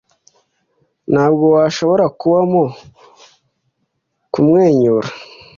ntabwo washobora kubamo kumwenyura